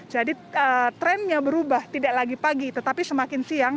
jadi trennya berubah tidak lagi pagi tetapi semakin siang